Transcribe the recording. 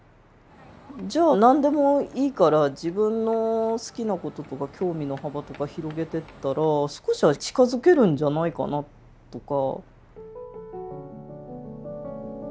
じゃあ何でもいいから自分の好きなこととか興味の幅とか広げてったら少しは近づけるんじゃないかなとか。